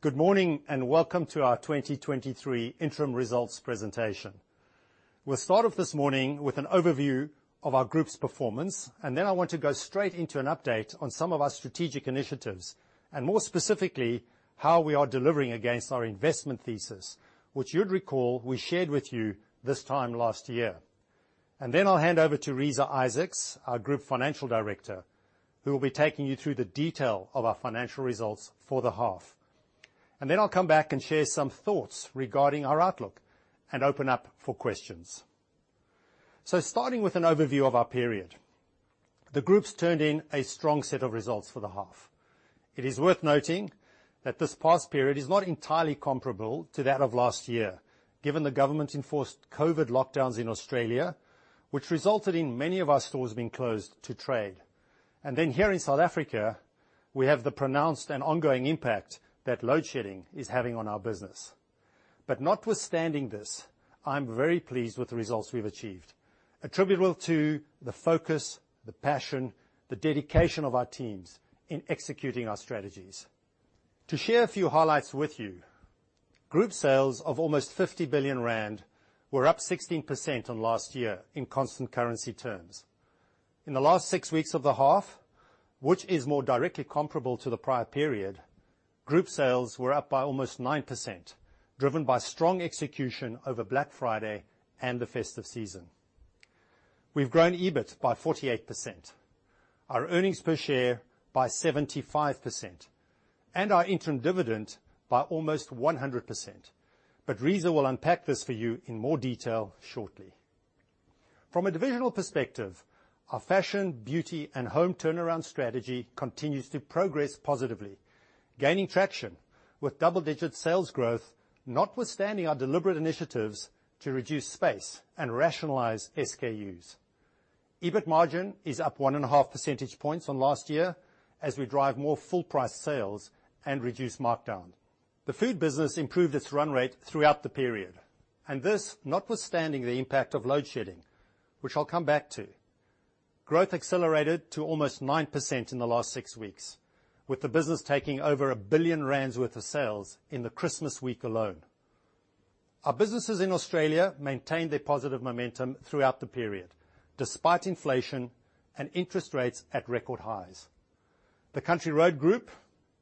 Good morning, welcome to our 2023 interim results presentation. We'll start off this morning with an overview of our group's performance, and then I want to go straight into an update on some of our strategic initiatives, and more specifically, how we are delivering against our investment thesis, which you'd recall we shared with you this time last year. I'll hand over to Reeza Isaacs, our Group Finance Director, who will be taking you through the detail of our financial results for the half. I'll come back and share some thoughts regarding our outlook and open up for questions. Starting with an overview of our period. The group's turned in a strong set of results for the half. It is worth noting that this past period is not entirely comparable to that of last year, given the government-enforced COVID lockdowns in Australia, which resulted in many of our stores being closed to trade. Here in South Africa, we have the pronounced and ongoing impact that load shedding is having on our business. Notwithstanding this, I'm very pleased with the results we've achieved, attributable to the focus, the passion, the dedication of our teams in executing our strategies. To share a few highlights with you, group sales of almost 50 billion rand were up 16% on last year in constant currency terms. In the last six weeks of the half, which is more directly comparable to the prior period, group sales were up by almost 9%, driven by strong execution over Black Friday and the festive season. We've grown EBIT by 48%, our earnings per share by 75%, and our interim dividend by almost 100%. Reeza will unpack this for you in more detail shortly. From a divisional perspective, our fashion, beauty, and home turnaround strategy continues to progress positively, gaining traction with double-digit sales growth notwithstanding our deliberate initiatives to reduce space and rationalize SKUs. EBIT margin is up 1.5 percentage points on last year as we drive more full price sales and reduce markdown. The food business improved its run rate throughout the period, this notwithstanding the impact of load shedding, which I'll come back to. Growth accelerated to almost 9% in the last six weeks, with the business taking over 1 billion rand worth of sales in the Christmas week alone. Our businesses in Australia maintained their positive momentum throughout the period, despite inflation and interest rates at record highs. The Country Road Group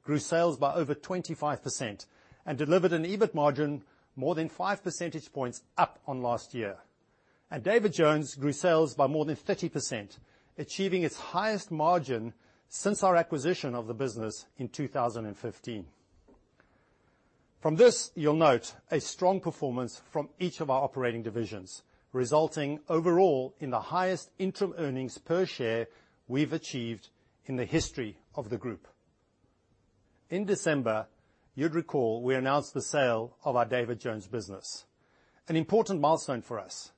grew sales by over 25% and delivered an EBIT margin more than 5 percentage points up on last year. David Jones grew sales by more than 30%, achieving its highest margin since our acquisition of the business in 2015. From this, you'll note a strong performance from each of our operating divisions, resulting overall in the highest interim earnings per share we've achieved in the history of the group. In December, you'd recall we announced the sale of our David Jones business, an important milestone for us,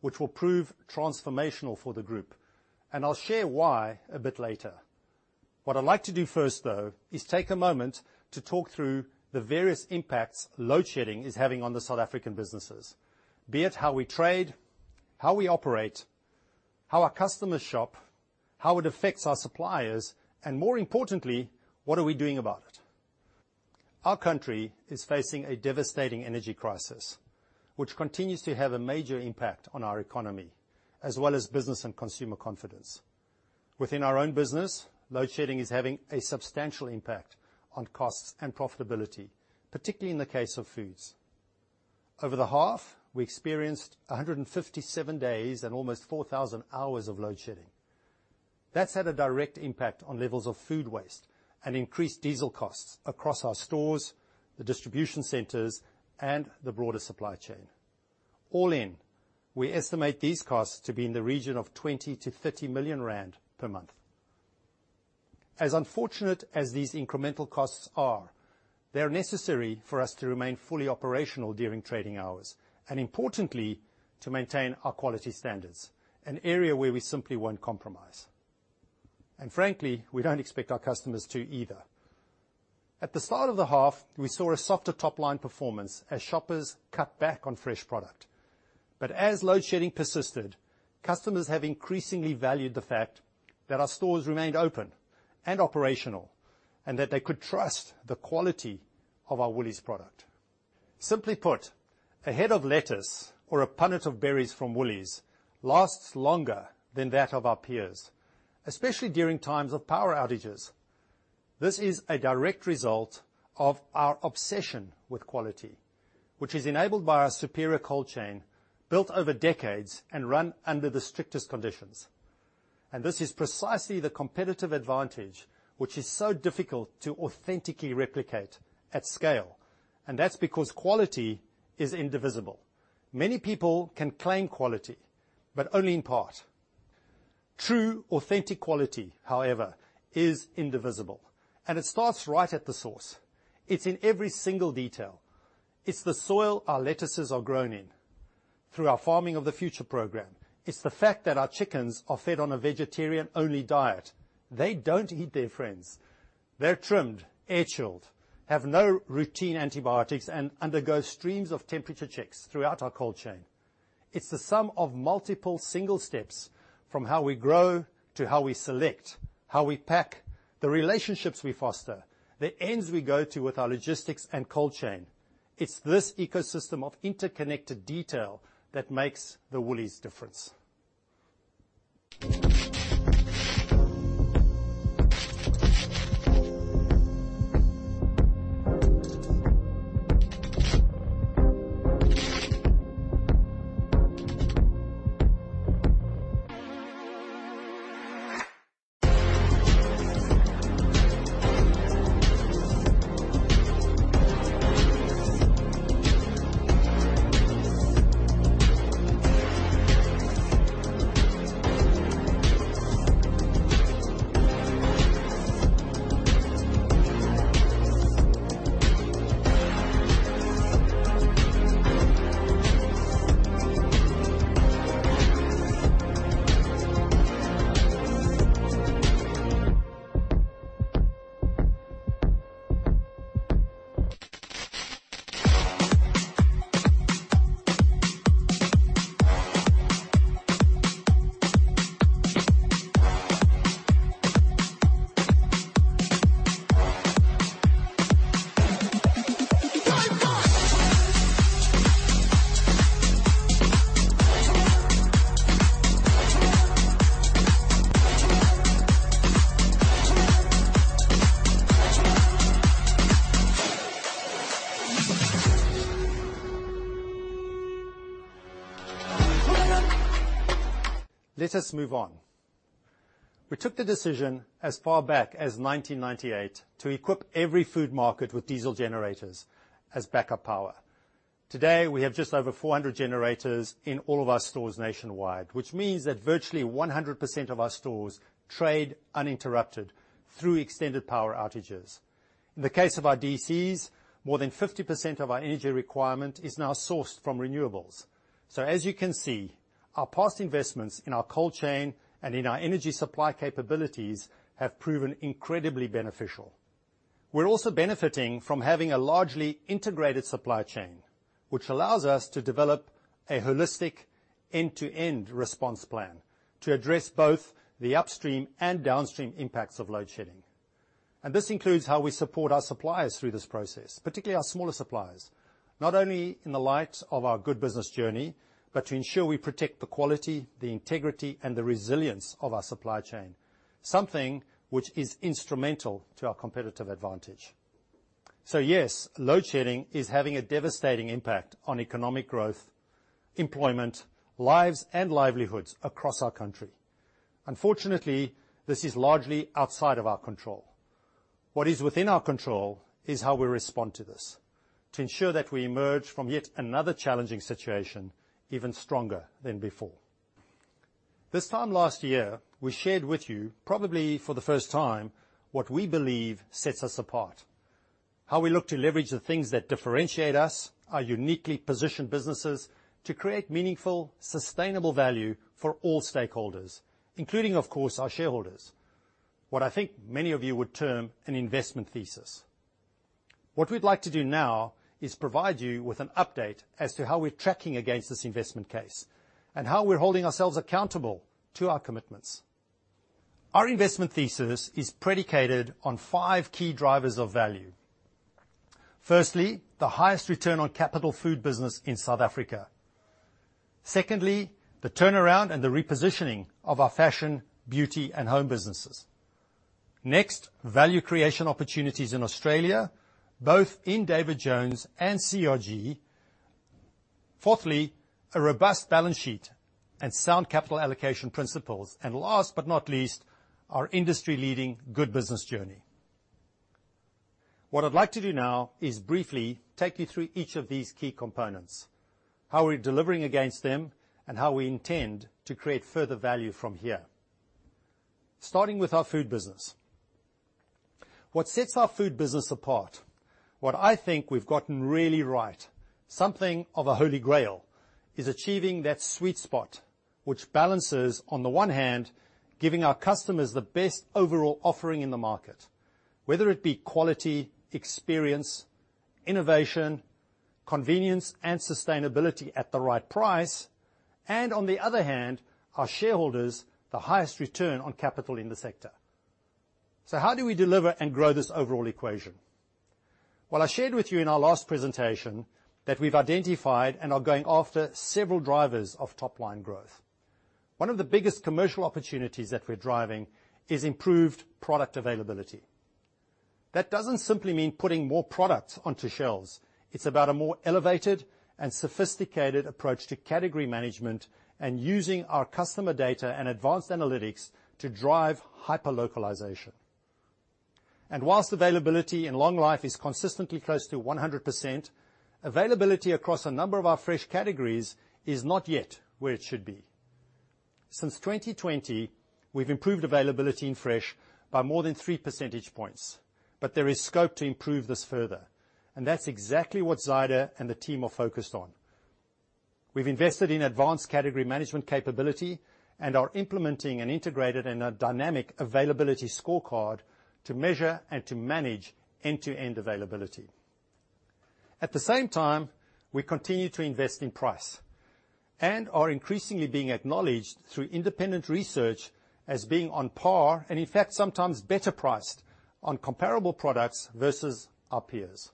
which will prove transformational for the group, and I'll share why a bit later. What I'd like to do first, though, is take a moment to talk through the various impacts load shedding is having on the South African businesses. Be it how we trade, how we operate, how our customers shop, how it affects our suppliers, and more importantly, what are we doing about it? Our country is facing a devastating energy crisis, which continues to have a major impact on our economy, as well as business and consumer confidence. Within our own business, load shedding is having a substantial impact on costs and profitability, particularly in the case of foods. Over the half, we experienced 157 days and almost 4,000 hours of load shedding. That's had a direct impact on levels of food waste and increased diesel costs across our stores, the distribution centers, and the broader supply chain. All in, we estimate these costs to be in the region of 20 million-30 million rand per month. As unfortunate as these incremental costs are, they are necessary for us to remain fully operational during trading hours, importantly, to maintain our quality standards, an area where we simply won't compromise. Frankly, we don't expect our customers to either. At the start of the half, we saw a softer top-line performance as shoppers cut back on fresh product. As load shedding persisted, customers have increasingly valued the fact that our stores remained open and operational, that they could trust the quality of their Woolies product. Simply put, a head of lettuce or a punnet of berries from Woolies lasts longer than that of our peers, especially during times of power outages. This is a direct result of our obsession with quality, which is enabled by our superior cold chain built over decades and run under the strictest conditions. This is precisely the competitive advantage which is so difficult to authentically replicate at scale. That's because quality is indivisible. Many people can claim quality, but only in part. True, authentic quality, however, is indivisible, and it starts right at the source. It's in every single detail. It's the soil our lettuces are grown in through our Farming for the Future program. It's the fact that our chickens are fed on a vegetarian-only diet. They don't eat their friends. They're trimmed, air-chilled, have no routine antibiotics, and undergo streams of temperature checks throughout our cold chain. It's the sum of multiple single steps from how we grow to how we select, how we pack, the relationships we foster, the ends we go to with our logistics and cold chain. It's this ecosystem of interconnected detail that makes the Woolies difference. Let us move on. We took the decision as far back as 1998 to equip every food market with diesel generators as backup power. Today, we have just over 400 generators in all of our stores nationwide, which means that virtually 100% of our stores trade uninterrupted through extended power outages. In the case of our DCs, more than 50% of our energy requirement is now sourced from renewables. As you can see, our past investments in our cold chain and in our energy supply capabilities have proven incredibly beneficial. We're also benefiting from having a largely integrated supply chain, which allows us to develop a holistic end-to-end response plan to address both the upstream and downstream impacts of load shedding. This includes how we support our suppliers through this process, particularly our smaller suppliers. Not only in the light of our Good Business Journey, but to ensure we protect the quality, the integrity, and the resilience of our supply chain, something which is instrumental to our competitive advantage. Yes, load shedding is having a devastating impact on economic growth, employment, lives, and livelihoods across our country. Unfortunately, this is largely outside of our control. What is within our control is how we respond to this to ensure that we emerge from yet another challenging situation even stronger than before. This time last year, we shared with you, probably for the first time, what we believe sets us apart, how we look to leverage the things that differentiate us, our uniquely positioned businesses, to create meaningful, sustainable value for all stakeholders, including, of course, our shareholders. What I think many of you would term an investment thesis. What we'd like to do now is provide you with an update as to how we're tracking against this investment case and how we're holding ourselves accountable to our commitments. Our investment thesis is predicated on five key drivers of value. Firstly, the highest return on capital food business in South Africa. Secondly, the turnaround and the repositioning of our fashion, beauty, and home businesses. Next, value creation opportunities in Australia, both in David Jones and CRG. Fourthly, a robust balance sheet and sound capital allocation principles. Last but not least, our industry-leading Good Business Journey. What I'd like to do now is briefly take you through each of these key components, how we're delivering against them, and how we intend to create further value from here. Starting with our food business. What sets our food business apart, what I think we've gotten really right, something of a Holy Grail, is achieving that sweet spot which balances, on the one hand, giving our customers the best overall offering in the market, whether it be quality, experience, innovation, convenience, and sustainability at the right price, and on the other hand, our shareholders the highest return on capital in the sector. How do we deliver and grow this overall equation? Well, I shared with you in our last presentation that we've identified and are going after several drivers of top-line growth. One of the biggest commercial opportunities that we're driving is improved product availability. That doesn't simply mean putting more products onto shelves. It's about a more elevated and sophisticated approach to category management and using our customer data and advanced analytics to drive hyperlocalization. Whilst availability in long life is consistently close to 100%, availability across a number of our fresh categories is not yet where it should be. Since 2020, we've improved availability in fresh by more than 3 percentage points, but there is scope to improve this further. That's exactly what Zaid and the team are focused on. We've invested in advanced category management capability and are implementing an integrated and a dynamic availability scorecard to measure and to manage end-to-end availability. At the same time, we continue to invest in price, and are increasingly being acknowledged through independent research as being on par, and in fact sometimes better priced on comparable products versus our peers.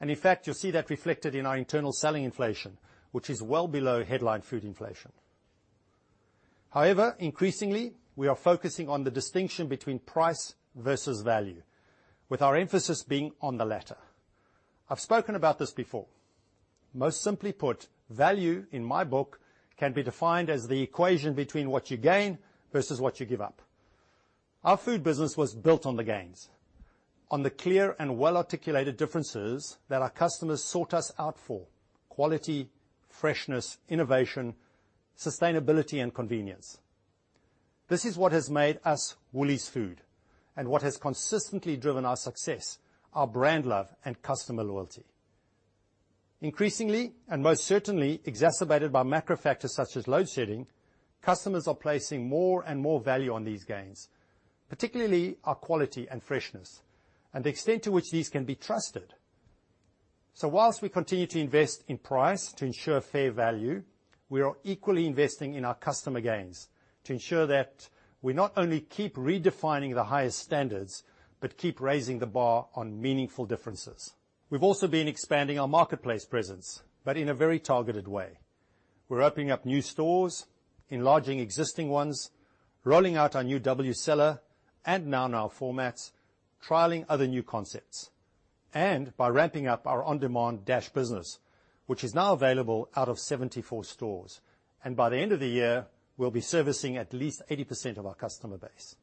In fact, you'll see that reflected in our internal selling inflation, which is well below headline food inflation. However, increasingly, we are focusing on the distinction between price versus value, with our emphasis being on the latter. I've spoken about this before. Most simply put, value, in my book, can be defined as the equation between what you gain versus what you give up. Our food business was built on the gains, on the clear and well-articulated differences that our customers sought us out for, quality, freshness, innovation, sustainability, and convenience. This is what has made us Woolies Food and what has consistently driven our success, our brand love, and customer loyalty. Increasingly, and most certainly exacerbated by macro factors such as load shedding, customers are placing more and more value on these gains, particularly our quality and freshness, and the extent to which these can be trusted. Whilst we continue to invest in price to ensure fair value, we are equally investing in our customer gains to ensure that we not only keep redefining the highest standards, but keep raising the bar on meaningful differences. We've also been expanding our marketplace presence, but in a very targeted way. We're opening up new stores, enlarging existing ones, rolling out our new WCellar and NowNow formats, trialing other new concepts, and by ramping up our on-demand Dash business, which is now available out of 74 stores. By the end of the year, we'll be servicing at least 80% of our customer base.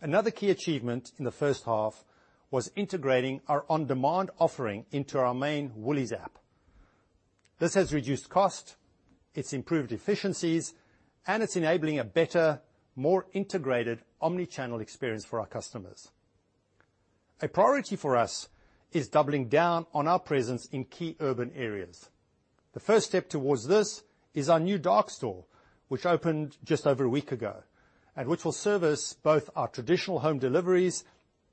Another key achievement in the first half was integrating our on-demand offering into our main Woolies app. This has reduced cost, it's improved efficiencies, and it's enabling a better, more integrated omni-channel experience for our customers. A priority for us is doubling down on our presence in key urban areas. The first step towards this is our new dark store, which opened just over a week ago, and which will service both our traditional home deliveries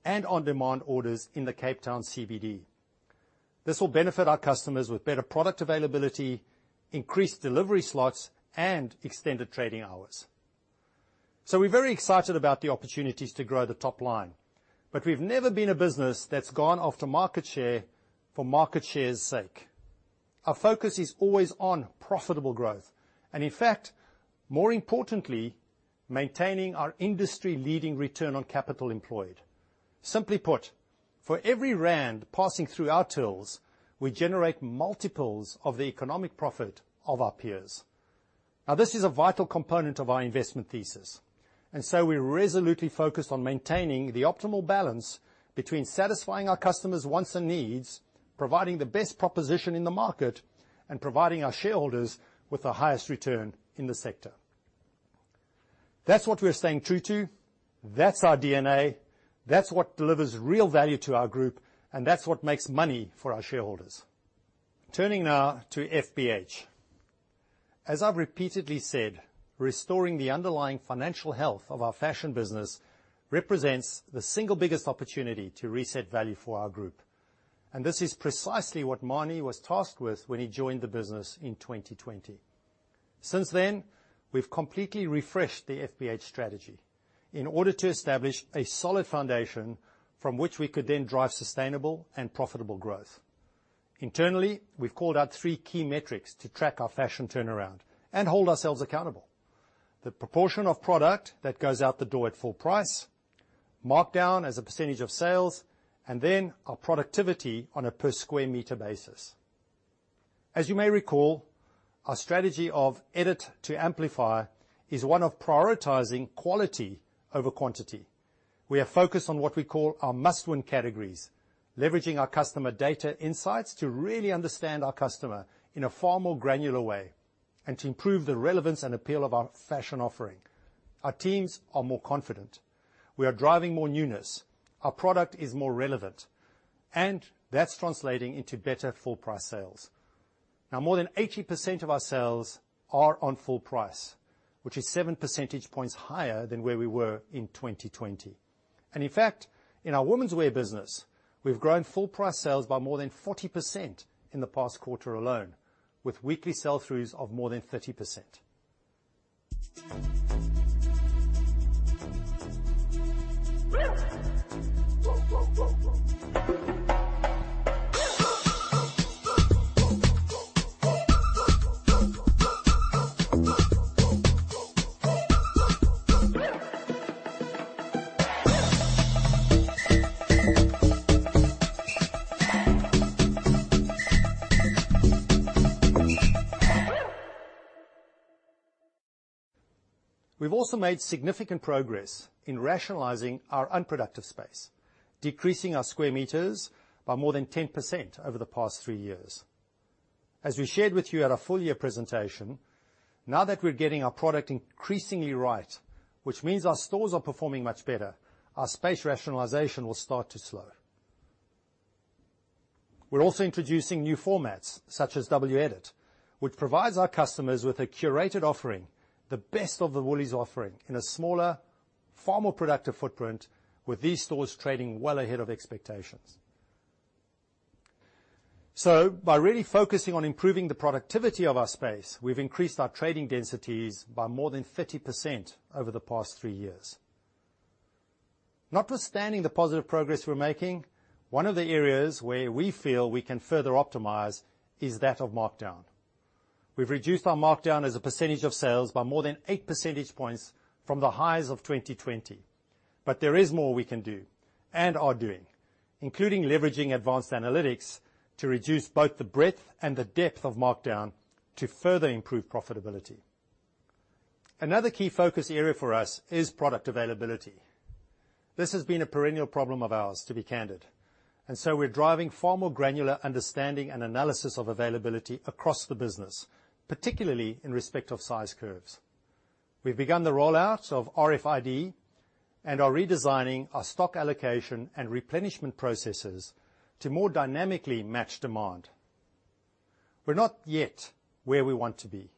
and on-demand orders in the Cape Town CBD. This will benefit our customers with better product availability, increased delivery slots, and extended trading hours. We're very excited about the opportunities to grow the top line, but we've never been a business that's gone after market share for market share's sake. Our focus is always on profitable growth, in fact, more importantly, maintaining our industry-leading return on capital employed. Simply put, for every rand passing through our tools, we generate multiples of the economic profit of our peers. This is a vital component of our investment thesis, we're resolutely focused on maintaining the optimal balance between satisfying our customers' wants and needs, providing the best proposition in the market, and providing our shareholders with the highest return in the sector. That's what we're staying true to, that's our DNA, that's what delivers real value to our group, that's what makes money for our shareholders. Turning now to FBH. As I've repeatedly said, restoring the underlying financial health of our fashion business represents the single biggest opportunity to reset value for our group. This is precisely what Manie was tasked with when he joined the business in 2020. Since then, we've completely refreshed the FBH strategy in order to establish a solid foundation from which we could then drive sustainable and profitable growth. Internally, we've called out three key metrics to track our fashion turnaround and hold ourselves accountable. The proportion of product that goes out the door at full price. Markdown as a % of sales. Our productivity on a per square meter basis. As you may recall, our strategy of edit to amplify is one of prioritizing quality over quantity. We are focused on what we call our must-win categories, leveraging our customer data insights to really understand our customer in a far more granular way and to improve the relevance and appeal of our fashion offering. Our teams are more confident. We are driving more newness. Our product is more relevant, and that's translating into better full price sales. Now, more than 80% of our sales are on full price, which is 7 percentage points higher than where we were in 2020. In fact, in our womenswear business, we've grown full price sales by more than 40% in the past quarter alone, with weekly sell-throughs of more than 30%. We've also made significant progress in rationalizing our unproductive space, decreasing our square meters by more than 10% over the past three years. As we shared with you at our full year presentation, now that we're getting our product increasingly right, which means our stores are performing much better, our space rationalization will start to slow. We're also introducing new formats, such as W Edit, which provides our customers with a curated offering, the best of the Woolies offering, in a smaller, far more productive footprint, with these stores trading well ahead of expectations. By really focusing on improving the productivity of our space, we've increased our trading densities by more than 30% over the past three years. Notwithstanding the positive progress we're making, one of the areas where we feel we can further optimize is that of markdown. We've reduced our markdown as a percentage of sales by more than eight percentage points from the highs of 2020. There is more we can do, and are doing, including leveraging advanced analytics to reduce both the breadth and the depth of markdown to further improve profitability. Another key focus area for us is product availability. This has been a perennial problem of ours, to be candid, and so we're driving far more granular understanding and analysis of availability across the business, particularly in respect of size curves. We've begun the rollout of RFID and are redesigning our stock allocation and replenishment processes to more dynamically match demand. We're not yet where we want to be,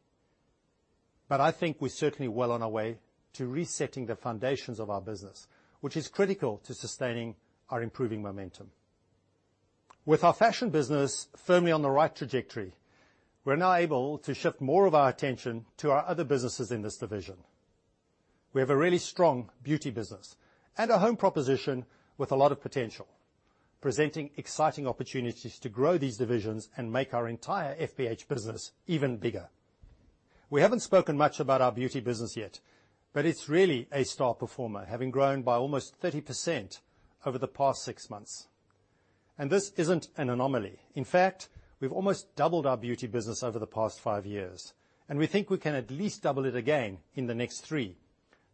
but I think we're certainly well on our way to resetting the foundations of our business, which is critical to sustaining our improving momentum. With our fashion business firmly on the right trajectory, we're now able to shift more of our attention to our other businesses in this division. We have a really strong beauty business and a home proposition with a lot of potential, presenting exciting opportunities to grow these divisions and make our entire FBH business even bigger. We haven't spoken much about our beauty business yet, but it's really a star performer, having grown by almost 30% over the past six months. This isn't an anomaly. In fact, we've almost doubled our beauty business over the past five years. We think we can at least double it again in the next three,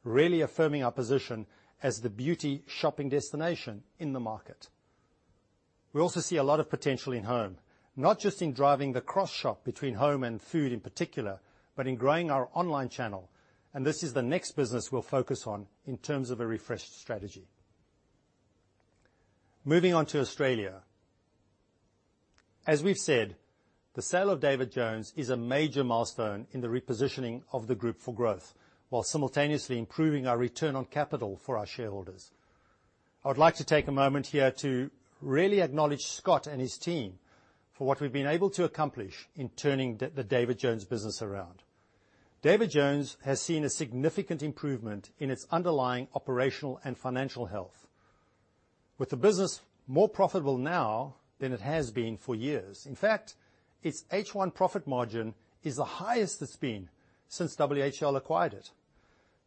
really affirming our position as the beauty shopping destination in the market. We also see a lot of potential in home, not just in driving the cross-shop between home and food in particular, but in growing our online channel. This is the next business we'll focus on in terms of a refreshed strategy. Moving on to Australia. As we've said, the sale of David Jones is a major milestone in the repositioning of the group for growth while simultaneously improving our return on capital for our shareholders. I would like to take a moment here to really acknowledge Scott and his team for what we've been able to accomplish in turning the David Jones business around. David Jones has seen a significant improvement in its underlying operational and financial health, with the business more profitable now than it has been for years. In fact, its H1 profit margin is the highest it's been since WHL acquired it.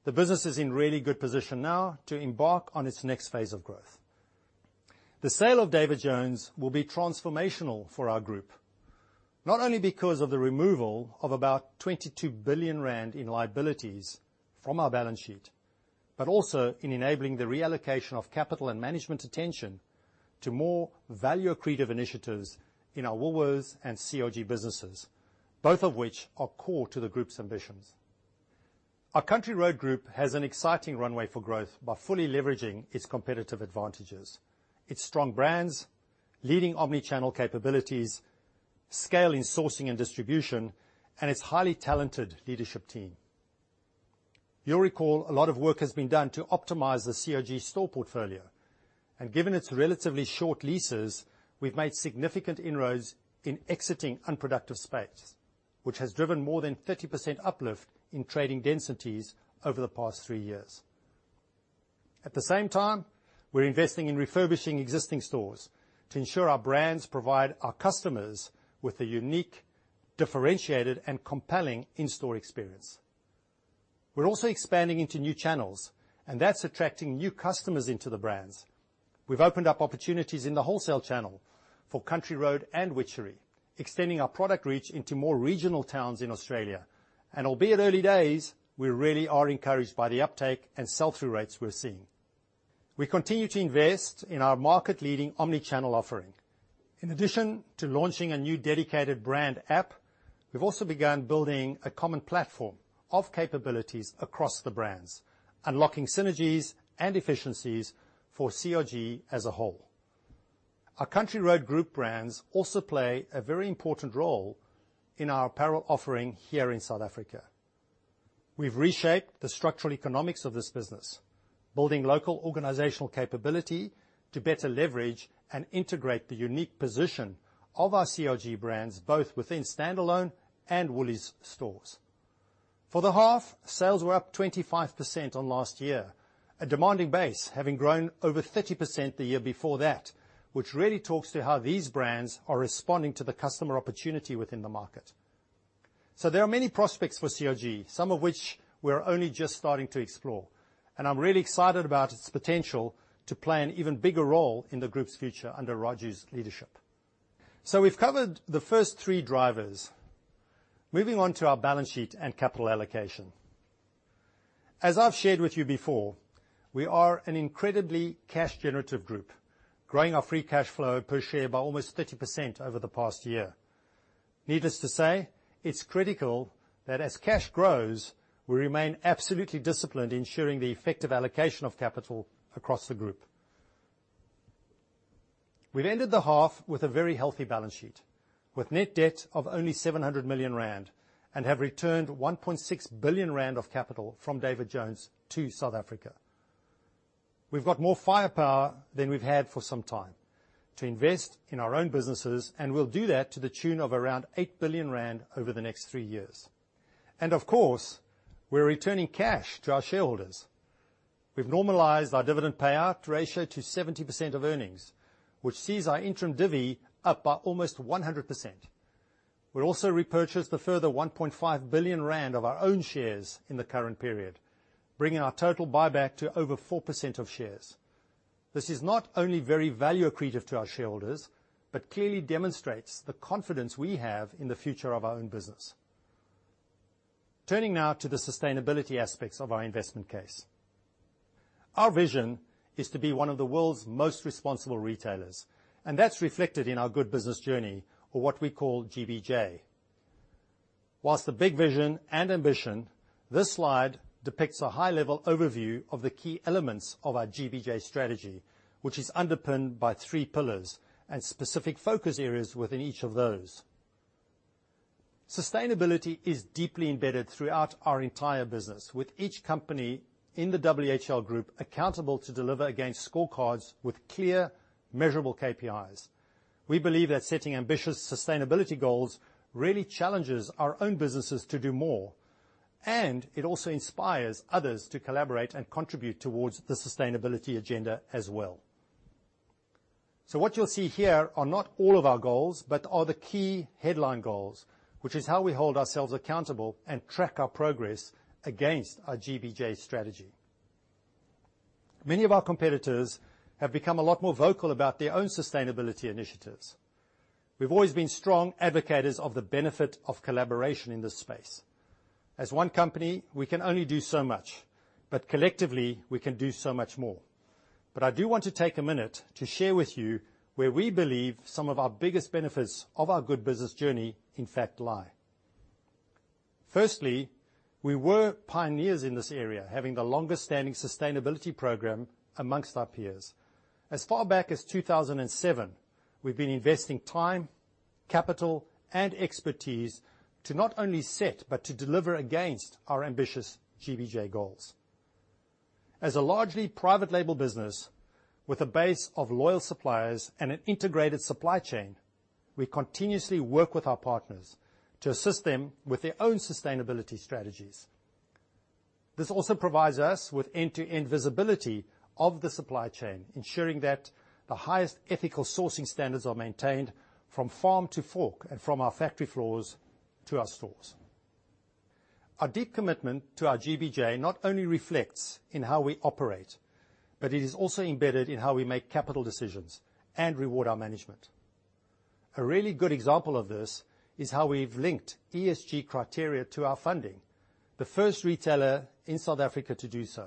The business is in really good position now to embark on its next phase of growth. The sale of David Jones will be transformational for our group, not only because of the removal of about 22 billion rand in liabilities from our balance sheet, but also in enabling the reallocation of capital and management attention to more value-accretive initiatives in our Woolworths and CRG businesses, both of which are core to the group's ambitions. Our Country Road Group has an exciting runway for growth by fully leveraging its competitive advantages, its strong brands, leading omni-channel capabilities, scale in sourcing and distribution, and its highly talented leadership team. You'll recall a lot of work has been done to optimize the CRG store portfolio, and given its relatively short leases, we've made significant inroads in exiting unproductive space, which has driven more than 30% uplift in trading densities over the past three years. At the same time, we're investing in refurbishing existing stores to ensure our brands provide our customers with a unique, differentiated, and compelling in-store experience. We're also expanding into new channels, and that's attracting new customers into the brands. We've opened up opportunities in the wholesale channel for Country Road and Witchery, extending our product reach into more regional towns in Australia. Albeit early days, we really are encouraged by the uptake and sell-through rates we're seeing. We continue to invest in our market-leading omni-channel offering. In addition to launching a new dedicated brand app, we've also begun building a common platform of capabilities across the brands, unlocking synergies and efficiencies for CRG as a whole. Our Country Road Group brands also play a very important role in our apparel offering here in South Africa. We've reshaped the structural economics of this business, building local organizational capability to better leverage and integrate the unique position of our CRG brands, both within standalone and Woolies stores. For the half, sales were up 25% on last year, a demanding base having grown over 30% the year before that, which really talks to how these brands are responding to the customer opportunity within the market. There are many prospects for CRG, some of which we're only just starting to explore, and I'm really excited about its potential to play an even bigger role in the group's future under Raju's leadership. We've covered the first three drivers. Moving on to our balance sheet and capital allocation. As I've shared with you before, we are an incredibly cash-generative group, growing our free cash flow per share by almost 30% over the past year. Needless to say, it's critical that as cash grows, we remain absolutely disciplined ensuring the effective allocation of capital across the group. We've ended the half with a very healthy balance sheet, with net debt of only 700 million rand, and have returned 1.6 billion rand of capital from David Jones to South Africa. We've got more firepower than we've had for some time to invest in our own businesses, and we'll do that to the tune of around 8 billion rand over the next three years. Of course, we're returning cash to our shareholders. We've normalized our dividend payout ratio to 70% of earnings, which sees our interim dividend up by almost 100%. We've also repurchased a further 1.5 billion rand of our own shares in the current period, bringing our total buyback to over 4% of shares. This is not only very value accretive to our shareholders, but clearly demonstrates the confidence we have in the future of our own business. Turning now to the sustainability aspects of our investment case. Our vision is to be one of the world's most responsible retailers, and that's reflected in our Good Business Journey, or what we call GBJ. Whilst the big vision and ambition, this slide depicts a high-level overview of the key elements of our GBJ strategy, which is underpinned by three pillars and specific focus areas within each of those. Sustainability is deeply embedded throughout our entire business, with each company in the WHL group accountable to deliver against scorecards with clear, measurable KPIs. We believe that setting ambitious sustainability goals really challenges our own businesses to do more, and it also inspires others to collaborate and contribute towards the sustainability agenda as well. What you'll see here are not all of our goals, but are the key headline goals, which is how we hold ourselves accountable and track our progress against our GBJ strategy. Many of our competitors have become a lot more vocal about their own sustainability initiatives. We've always been strong advocators of the benefit of collaboration in this space. As one company, we can only do so much, but collectively, we can do so much more. I do want to take a minute to share with you where we believe some of our biggest benefits of our Good Business Journey in fact lie. Firstly, we were pioneers in this area, having the longest-standing sustainability program amongst our peers. As far back as 2007, we've been investing time, capital, and expertise to not only set but to deliver against our ambitious GBJ goals. As a largely private label business with a base of loyal suppliers and an integrated supply chain, we continuously work with our partners to assist them with their own sustainability strategies. This also provides us with end-to-end visibility of the supply chain, ensuring that the highest ethical sourcing standards are maintained from farm to fork and from our factory floors to our stores. Our deep commitment to our GBJ not only reflects in how we operate, but it is also embedded in how we make capital decisions and reward our management. A really good example of this is how we've linked ESG criteria to our funding, the first retailer in South Africa to do so.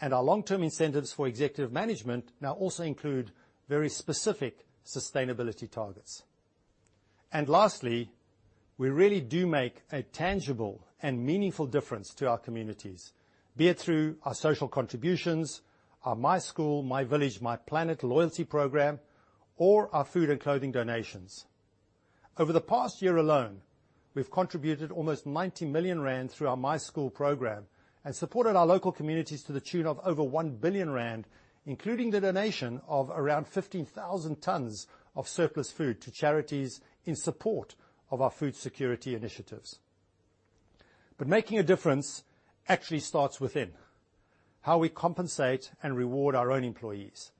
Our long-term incentives for executive management now also include very specific sustainability targets. Lastly, we really do make a tangible and meaningful difference to our communities, be it through our social contributions, our MySchool MyVillage MyPlanet loyalty program, or our food and clothing donations. Over the past year alone, we've contributed almost 90 million rand through our MySchool program and supported our local communities to the tune of over 1 billion rand, including the donation of around 15,000 tons of surplus food to charities in support of our food security initiatives. Making a difference actually starts within, how we compensate and reward our own employees.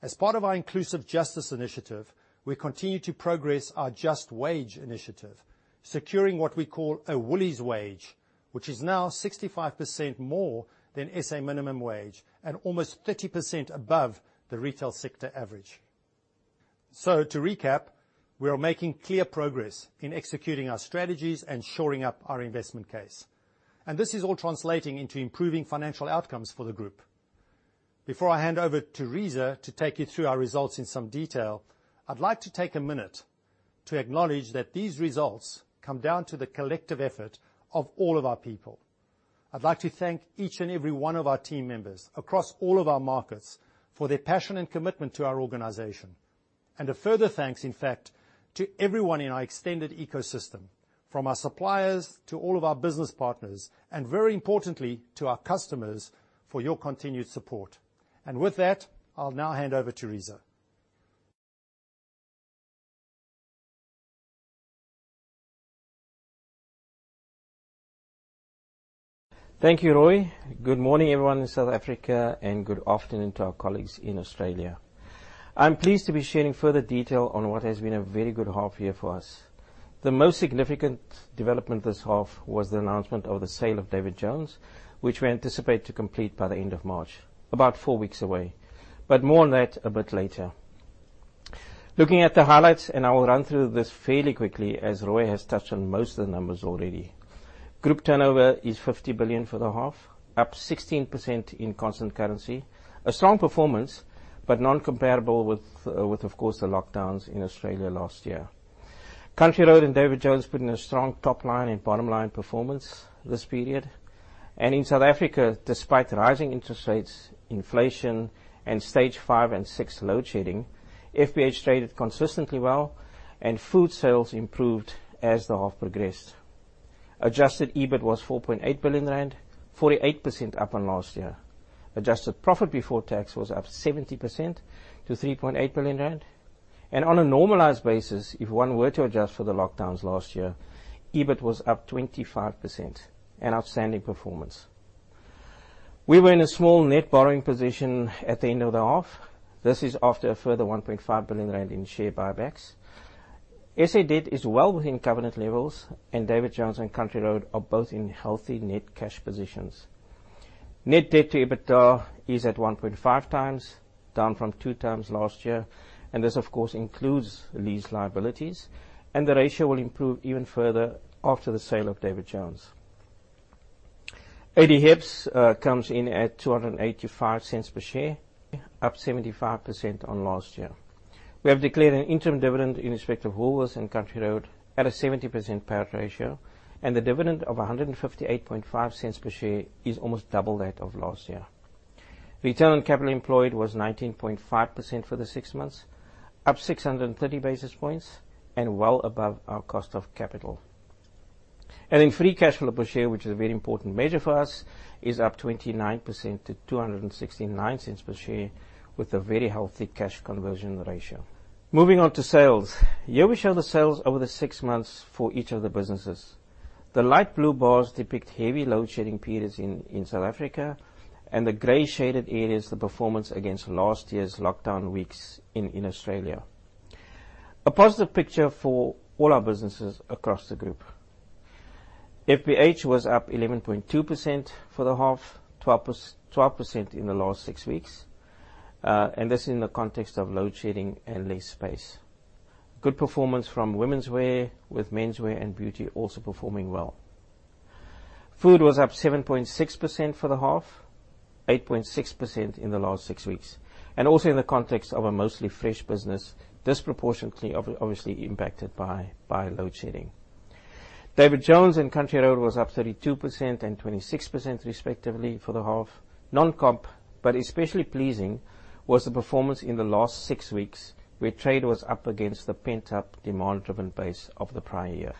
As part of our Inclusive Justice Initiative, we continue to progress our Just Wage initiative, securing what we call a Woolies wage, which is now 65% more than SA minimum wage and almost 30% above the retail sector average. To recap, we are making clear progress in executing our strategies and shoring up our investment case. This is all translating into improving financial outcomes for the group. Before I hand over to Reeza to take you through our results in some detail, I'd like to take a minute to acknowledge that these results come down to the collective effort of all of our people. I'd like to thank each and every one of our team members across all of our markets for their passion and commitment to our organization. A further thanks, in fact, to everyone in our extended ecosystem, from our suppliers to all of our business partners, and very importantly, to our customers for your continued support. With that, I'll now hand over to Reeza. Thank you, Roy. Good morning, everyone in South Africa, and good afternoon to our colleagues in Australia. I'm pleased to be sharing further detail on what has been a very good half year for us. The most significant development this half was the announcement of the sale of David Jones, which we anticipate to complete by the end of March, about four weeks away. More on that a bit later. Looking at the highlights, I will run through this fairly quickly, as Roy has touched on most of the numbers already. Group turnover is 50 billion for the half, up 16% in constant currency. A strong performance, but non-comparable with, of course, the lockdowns in Australia last year. Country Road and David Jones put in a strong top-line and bottom-line performance this period. In South Africa, despite rising interest rates, inflation, and stage 5 and 6 load shedding, FBH traded consistently well, and food sales improved as the half progressed. Adjusted EBIT was 4.8 billion rand, 48% up on last year. Adjusted profit before tax was up 70% to 3.8 billion rand. On a normalized basis, if one were to adjust for the lockdowns last year, EBIT was up 25%, an outstanding performance. We were in a small net borrowing position at the end of the half. This is after a further 1.5 billion rand in share buybacks. SA debt is well within covenant levels, and David Jones and Country Road are both in healthy net cash positions. Net debt to EBITDA is at 1.5x, down from 2x last year. This, of course, includes lease liabilities. The ratio will improve even further after the sale of David Jones. Adjusted diluted HEPS comes in at 2.85 per share, up 75% on last year. We have declared an interim dividend in respect of Woolworths and Country Road at a 70% payout ratio. The dividend of 1.585 per share is almost double that of last year. Return on capital employed was 19.5% for the six months, up 630 basis points. Well above our cost of capital. Adding free cash flow per share, which is a very important measure for us, is up 29% to 2.69 per share with a very healthy cash conversion ratio. Moving on to sales. Here we show the sales over the six months for each of the businesses. The light blue bars depict heavy load shedding periods in South Africa, and the gray shaded areas, the performance against last year's lockdown weeks in Australia. A positive picture for all our businesses across the group. FBH was up 11.2% for the half, 12% in the last six weeks, and this in the context of load shedding and less space. Good performance from womenswear with menswear and beauty also performing well. Food was up 7.6% for the half, 8.6% in the last six weeks, and also in the context of a mostly fresh business, disproportionately obviously impacted by load shedding. David Jones and Country Road was up 32% and 26% respectively for the half. Non-comp, but especially pleasing, was the performance in the last six weeks, where trade was up against the pent-up demand-driven base of the prior year.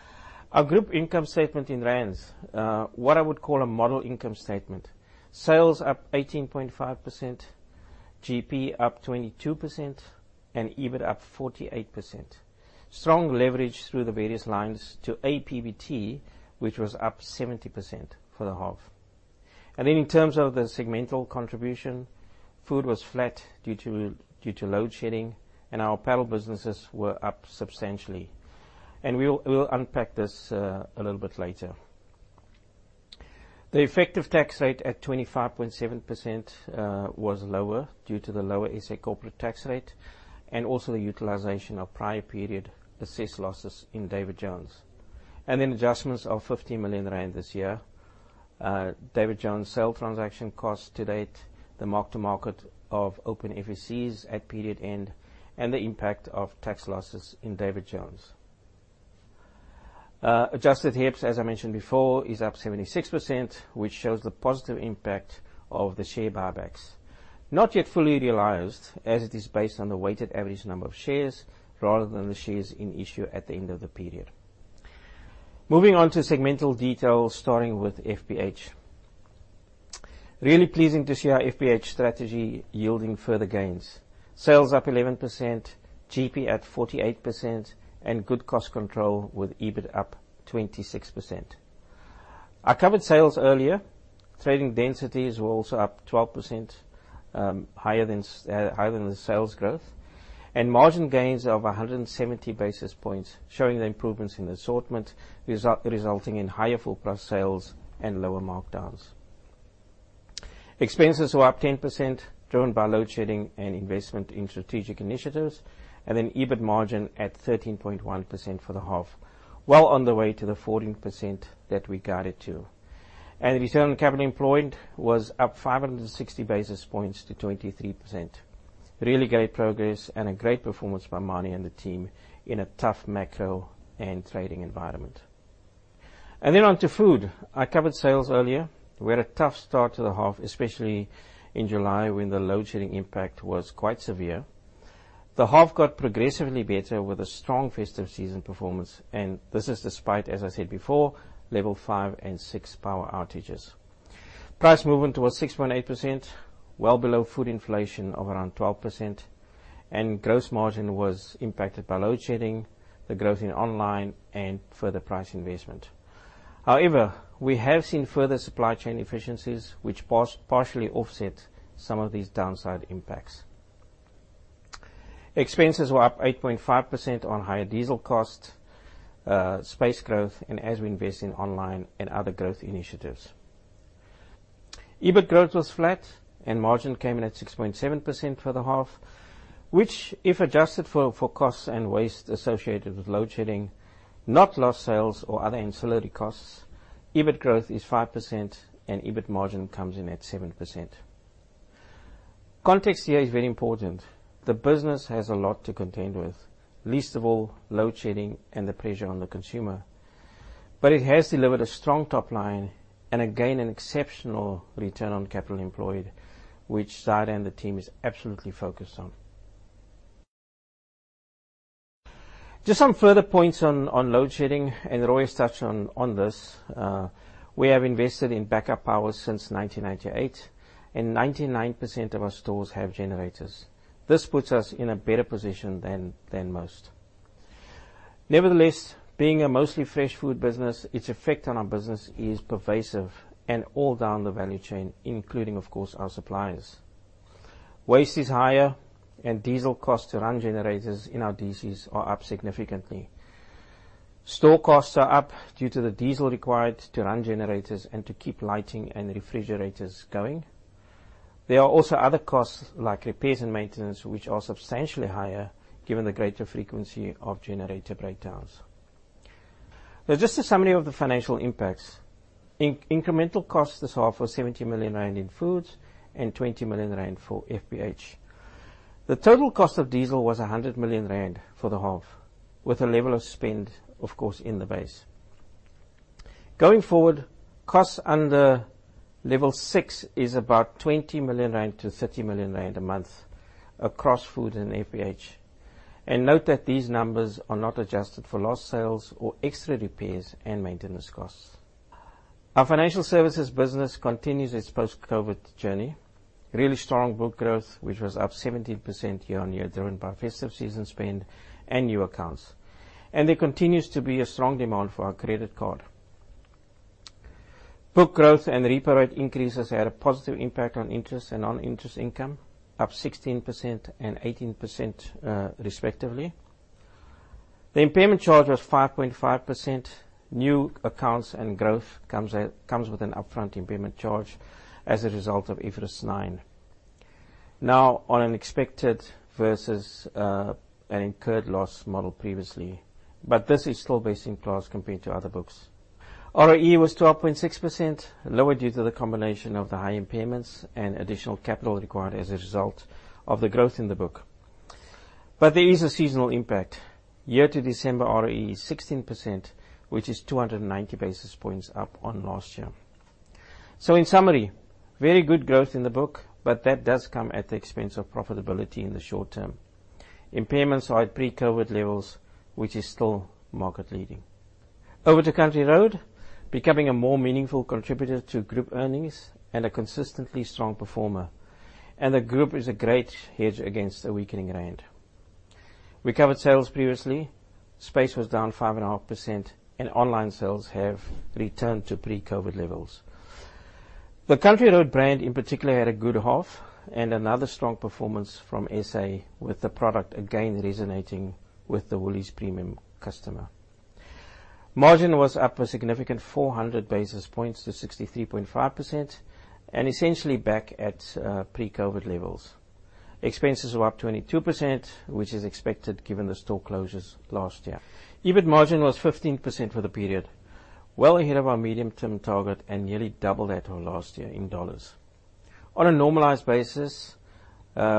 Our group income statement in rands, what I would call a model income statement. Sales up 18.5%, GP up 22%, EBIT up 48%. Strong leverage through the various lines to APBT, which was up 70% for the half. In terms of the segmental contribution, food was flat due to load shedding, our apparel businesses were up substantially. We'll unpack this a little bit later. The effective tax rate at 25.7% was lower due to the lower SA corporate tax rate and also the utilization of prior period assessed losses in David Jones. Adjustments of 50 million rand this year, David Jones sale transaction cost to date, the mark-to-market of open FECs at period end, and the impact of tax losses in David Jones. Adjusted diluted HEPS, as I mentioned before, is up 76%, which shows the positive impact of the share buybacks. Not yet fully realized as it is based on the weighted average number of shares rather than the shares in issue at the end of the period. Moving on to segmental details starting with FBH. Really pleasing to see our FBH strategy yielding further gains. Sales up 11%, GP at 48%, and good cost control with EBIT up 26%. I covered sales earlier. Trading densities were also up 12%, higher than the sales growth. Margin gains of 170 basis points, showing the improvements in assortment resulting in higher full price sales and lower markdowns. Expenses were up 10%, driven by load shedding and investment in strategic initiatives. EBIT margin at 13.1% for the half, well on the way to the 14% that we guided to. The return on capital employed was up 560 basis points to 23%. Really great progress and a great performance by Manie and the team in a tough macro and trading environment. On to food. I covered sales earlier. We had a tough start to the half, especially in July when the load shedding impact was quite severe. The half got progressively better with a strong festive season performance, and this is despite, as I said before, level 5 and 6 power outages. Price movement was 6.8%, well below food inflation of around 12%. Gross margin was impacted by load shedding, the growth in online, and further price investment. We have seen further supply chain efficiencies which partially offset some of these downside impacts. Expenses were up 8.5% on higher diesel costs, space growth, and as we invest in online and other growth initiatives. EBIT growth was flat and margin came in at 6.7% for the half, which if adjusted for costs and waste associated with load shedding, not lost sales or other ancillary costs, EBIT growth is 5% and EBIT margin comes in at 7%. Context here is very important. The business has a lot to contend with, least of all load shedding and the pressure on the consumer. It has delivered a strong top line and again, an exceptional return on capital employed, which Zaid and the team is absolutely focused on. Just some further points on load shedding, and Roy has touched on this. We have invested in backup power since 1998, and 99% of our stores have generators. This puts us in a better position than most. Nevertheless, being a mostly fresh food business, its effect on our business is pervasive and all down the value chain, including, of course, our suppliers. Waste is higher and diesel costs to run generators in our DCs are up significantly. Store costs are up due to the diesel required to run generators and to keep lighting and refrigerators going. There are also other costs, like repairs and maintenance, which are substantially higher given the greater frequency of generator breakdowns. Just a summary of the financial impacts. Incremental cost this half was 70 million rand in Foods and 20 million rand for FBH. The total cost of diesel was 100 million rand for the half, with a level of spend, of course, in the base. Going forward, costs under level six is about 20 million-30 million rand a month across Food and FBH. Note that these numbers are not adjusted for lost sales or extra repairs and maintenance costs. Our financial services business continues its post-COVID journey. Really strong book growth, which was up 17% year-on-year, driven by festive season spend and new accounts. There continues to be a strong demand for our credit card. Book growth and repo rate increases had a positive impact on interest and non-interest income, up 16% and 18%, respectively. The impairment charge was 5.5%. New accounts and growth comes with an upfront impairment charge as a result of IFRS 9. On an expected versus an incurred loss model previously, this is still best in class compared to other books. ROE was 12.6%, lower due to the combination of the high impairments and additional capital required as a result of the growth in the book. There is a seasonal impact. Year to December, ROE is 16%, which is 290 basis points up on last year. In summary, very good growth in the book, that does come at the expense of profitability in the short term. Impairments are at pre-COVID levels, which is still market leading. Over to Country Road, becoming a more meaningful contributor to group earnings and a consistently strong performer. The group is a great hedge against the weakening rand. We covered sales previously. Space was down 5.5% and online sales have returned to pre-COVID levels. The Country Road brand in particular had a good half and another strong performance from SA, with the product again resonating with the Woolies premium customer. Margin was up a significant 400 basis points to 63.5%, essentially back at pre-COVID levels. Expenses were up 22%, which is expected given the store closures last year. EBIT margin was 15% for the period, well ahead of our medium term target and nearly double that of last year in AUD. On a normalized basis,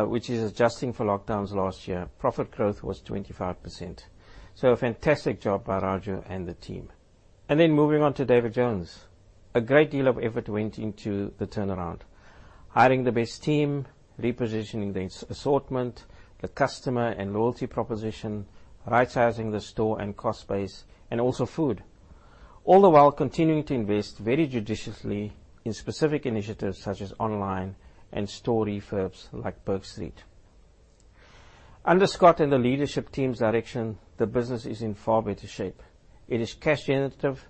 which is adjusting for lockdowns last year, profit growth was 25%. A fantastic job by Raju and the team. Moving on to David Jones. A great deal of effort went into the turnaround. Hiring the best team, repositioning the assortment, the customer and loyalty proposition, rightsizing the store and cost base, and also food, all the while continuing to invest very judiciously in specific initiatives such as online and store refurbs like Bourke Street. Under Scott and the leadership team's direction, the business is in far better shape. It is cash generative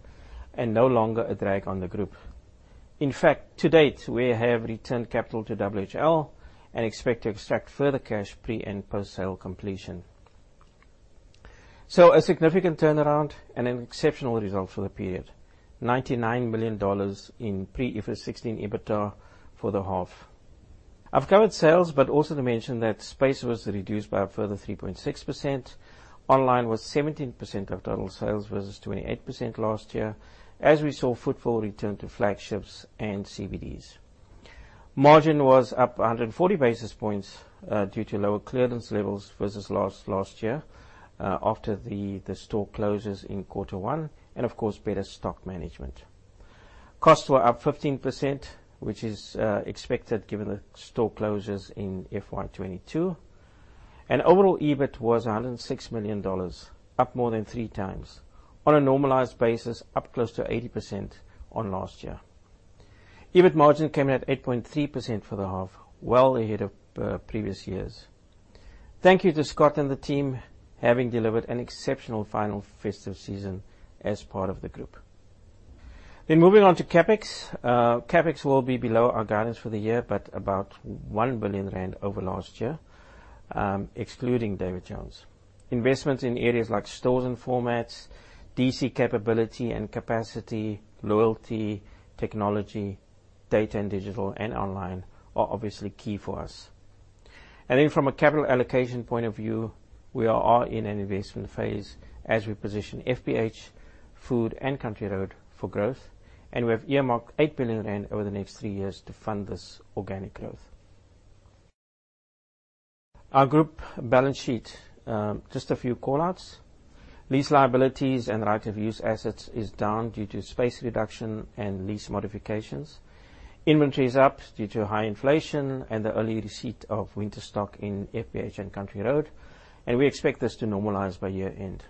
and no longer a drag on the group. To date, we have returned capital to WHL and expect to extract further cash pre- and post-sale completion. A significant turnaround and an exceptional result for the period. 99 million dollars in pre IFRS 16 EBITDA for the half. I've covered sales, also to mention that space was reduced by a further 3.6%. Online was 17% of total sales versus 28% last year, as we saw footfall return to flagships and CBDs. Margin was up 140 basis points due to lower clearance levels versus last year after the store closures in quarter one and of course, better stock management. Costs were up 15%, which is expected given the store closures in FY 2022. Overall EBIT was 106 million dollars, up more than three times. On a normalized basis, up close to 80% on last year. EBIT margin came in at 8.3% for the half, well ahead of previous years. Thank you to Scott and the team, having delivered an exceptional final festive season as part of the group. Moving on to CapEx. CapEx will be below our guidance for the year, but about 1 billion rand over last year, excluding David Jones. Investments in areas like stores and formats, DC capability and capacity, loyalty, technology, data and digital and online are obviously key for us. From a capital allocation point of view, we are all in an investment phase as we position FBH, Food and Country Road for growth, and we have earmarked 8 billion rand over the next three years to fund this organic growth. Our group balance sheet, just a few call-outs. Lease liabilities and right of use assets is down due to space reduction and lease modifications. Inventory is up due to high inflation and the early receipt of winter stock in FBH and Country Road. We expect this to normalize by year-end.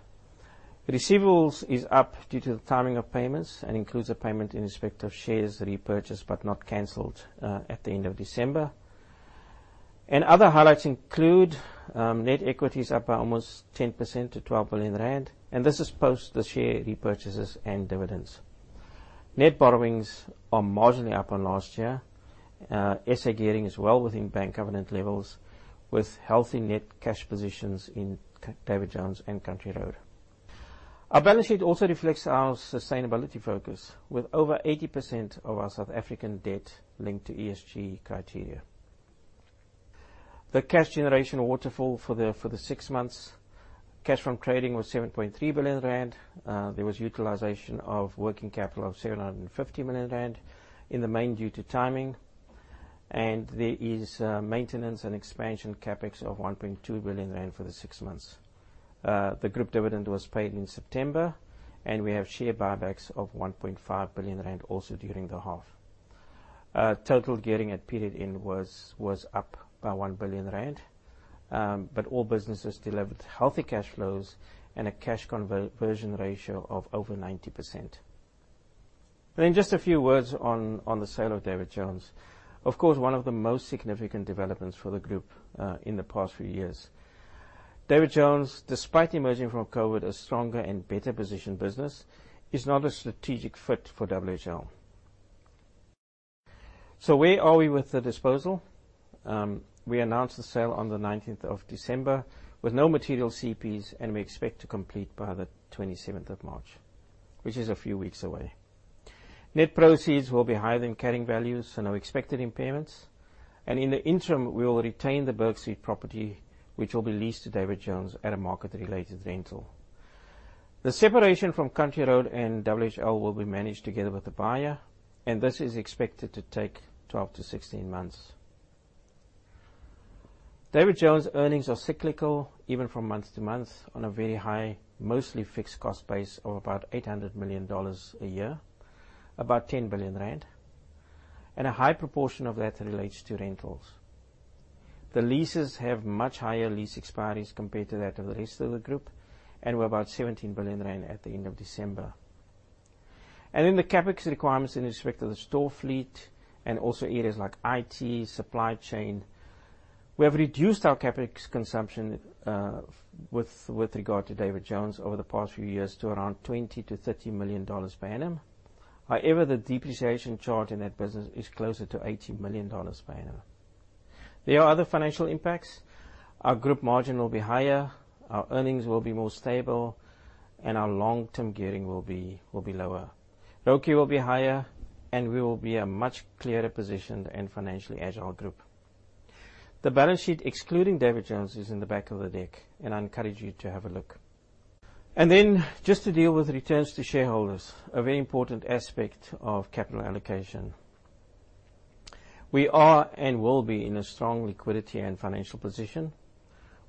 Receivables is up due to the timing of payments and includes a payment in respect of shares repurchased but not canceled at the end of December. Other highlights include net equity is up by almost 10% to 12 billion rand, and this is post the share repurchases and dividends. Net borrowings are marginally up on last year. SA gearing is well within bank covenant levels with healthy net cash positions in David Jones and Country Road. Our balance sheet also reflects our sustainability focus with over 80% of our South African debt linked to ESG criteria. The cash generation waterfall for the six months. Cash from trading was 7.3 billion rand. There was utilization of working capital of 750 million rand, in the main due to timing. There is maintenance and expansion CapEx of 1.2 billion rand for the six months. The group dividend was paid in September, we have share buybacks of 1.5 billion rand also during the half. Total gearing at period-end was up by 1 billion rand, all businesses delivered healthy cash flows and a cash conversion ratio of over 90%. Just a few words on the sale of David Jones. Of course, one of the most significant developments for the group, in the past few years. David Jones, despite emerging from COVID as stronger and better positioned business, is not a strategic fit for WHL. Where are we with the disposal? We announced the sale on the 19th of December with no material CPs, and we expect to complete by the 27th of March, which is a few weeks away. Net proceeds will be higher than carrying values and our expected impairments. In the interim, we will retain the Bourke Street property, which will be leased to David Jones at a market-related rental. The separation from Country Road and WHL will be managed together with the buyer, and this is expected to take 12-16 months. David Jones earnings are cyclical even from month to month on a very high, mostly fixed cost base of about $800 million a year, about 10 billion rand, and a high proportion of that relates to rentals. The leases have much higher lease expiries compared to that of the rest of the group and were about 17 billion rand at the end of December. The CapEx requirements in respect of the store fleet and also areas like IT, supply chain. We have reduced our CapEx consumption with regard to David Jones over the past few years to around $20 million-$30 million per annum. However, the depreciation charge in that business is closer to $80 million per annum. There are other financial impacts. Our group margin will be higher, our earnings will be more stable, and our long-term gearing will be lower. ROCE will be higher. We will be a much clearer positioned and financially agile group. The balance sheet, excluding David Jones, is in the back of the deck. I encourage you to have a look. Just to deal with returns to shareholders, a very important aspect of capital allocation. We are and will be in a strong liquidity and financial position.